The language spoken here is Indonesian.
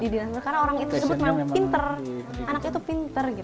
di dinas pendidikan karena orang itu sebut memang pinter anaknya tuh pinter gitu